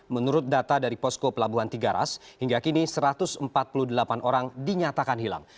menurut data dari posko pelabuhan tiga ras hingga kini satu ratus empat puluh delapan orang dinyatakan hilang